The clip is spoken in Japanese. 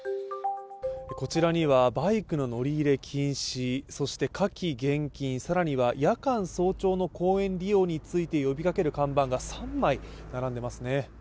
こちらには、「バイク乗り入れ禁止」そして「火気厳禁」更には夜間早朝の公園利用について呼びかける看板が３枚並んでますね。